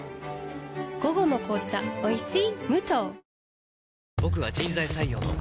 午後の紅茶おいしい